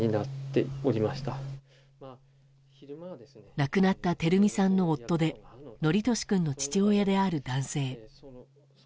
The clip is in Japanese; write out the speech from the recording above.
亡くなった照美さんの夫で規稔君の父親である男性。